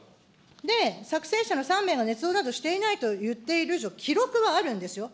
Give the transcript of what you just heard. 作成者の３名がねつ造だとしていないと言っている以上、記録はあるんですよ。